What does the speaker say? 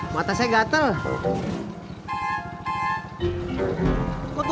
ya kan saya belum kelar ngatur jam